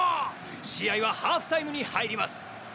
試合はハーフタイムに入ります。